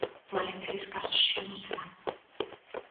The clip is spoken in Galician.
Mais eses casos xa non se dan.